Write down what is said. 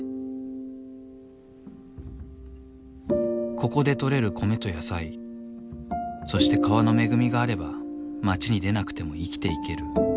ここで取れる米と野菜そして川の恵みがあれば町に出なくても生きていける。